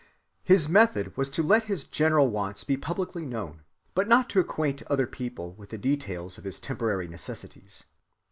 His method was to let his general wants be publicly known, but not to acquaint other people with the details of his temporary necessities.